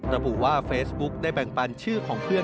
ระบุว่าเฟซบุ๊กได้แบ่งปันชื่อของเพื่อน